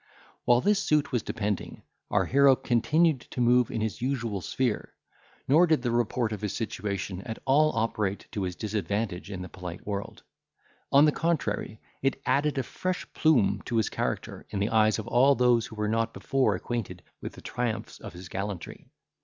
While this suit was depending, our hero continued to move in his usual sphere; nor did the report of his situation at all operate to his disadvantage in the polite world; on the contrary, it added a fresh plume to his character, in the eyes of all those who were not before acquainted with the triumphs of his gallantry.